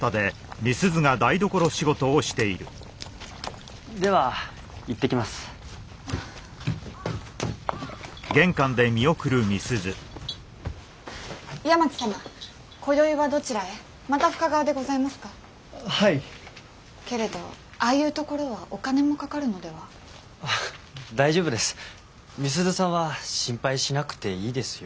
美鈴さんは心配しなくていいですよ。